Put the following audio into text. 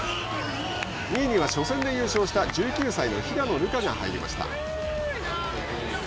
２位には初戦で優勝した１９歳の平野流佳が入りました。